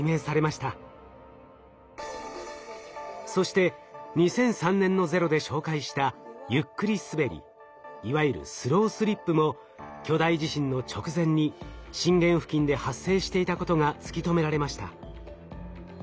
そして２００３年の「ＺＥＲＯ」で紹介した「ゆっくりすべり」いわゆる「スロースリップ」も巨大地震の直前に震源付近で発生していたことが突き止められました。